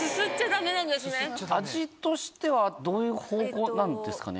味としてはどういう方向なんですかね？